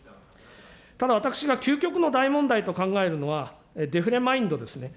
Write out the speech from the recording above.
ただ、私が究極の大問題と考えるのは、デフレマインドですね。